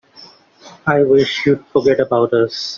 I wish you'd forget about us.